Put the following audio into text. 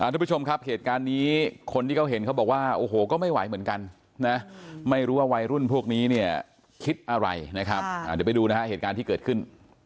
ทุกผู้ชมครับเหตุการณ์นี้คนที่เขาเห็นเขาบอกว่าโอ้โหก็ไม่ไหวเหมือนกันนะไม่รู้ว่าวัยรุ่นพวกนี้เนี่ยคิดอะไรนะครับเดี๋ยวไปดูนะฮะเหตุการณ์ที่เกิดขึ้น